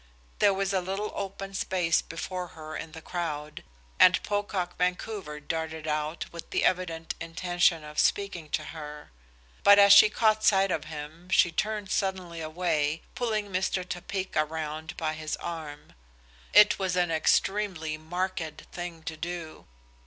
There was a little open space before her in the crowd, and Pocock Vancouver darted out with the evident intention of speaking to her. But as she caught sight of him she turned suddenly away, pulling Mr. Topeka round by his arm. It was an extremely "marked thing to do."